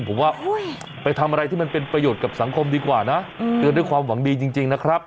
ผมว่าไปทำอะไรที่มันเป็นประโยชน์กับสังคมดีกว่านะเตือนด้วยความหวังดีจริงนะครับ